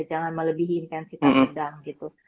jangan melebihi intensitas sedang gitu